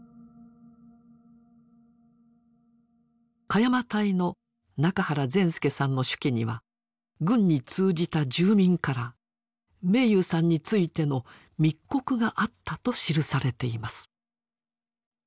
鹿山隊の仲原善助さんの手記には軍に通じた住民から明勇さんについての密告があったと記されています。